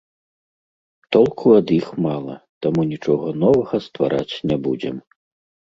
Толку ад іх мала, таму нічога новага ствараць не будзем.